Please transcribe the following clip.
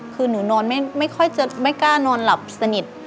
คือหนูนอนไม่ค่อยจะไม่กล้านอนหลับสนิท